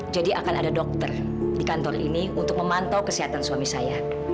akan ada dokter di kantor ini untuk memantau kesehatan suami saya